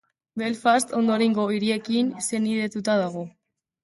Belfast ondorengo hiriekin senidetuta dago.